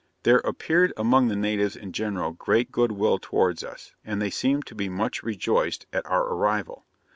There appeared among the natives in general great good will towards us, and they seemed to be much rejoiced at our arrival.